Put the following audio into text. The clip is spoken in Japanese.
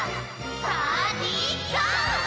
パーティゴォー！